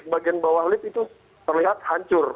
bagian bawah lift itu terlihat hancur